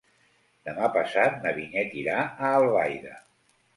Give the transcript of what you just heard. Demà passat na Vinyet irà a Albaida.